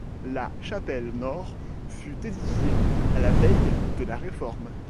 La chapelle nord fut édifiée à la veille de la Réforme.